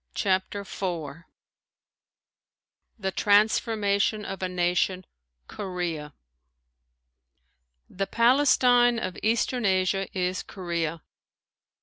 CHAPTER IV THE TRANSFORMATION OF A NATION KOREA The Palestine of eastern Asia is Korea.